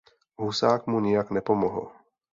Husák mu nijak nepomohl.